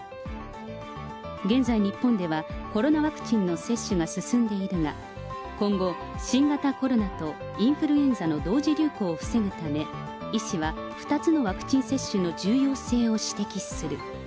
現在日本では、コロナワクチンの接種が進んでいるが、今後、新型コロナとインフルエンザの同時流行を防ぐため、医師は２つのワクチン接種の重要性を指摘する。